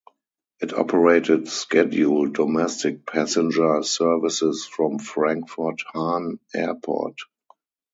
It operated scheduled domestic passenger services from Frankfurt-Hahn Airport.